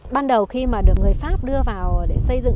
ban đầu khi mà được người pháp đưa vào để xây dựng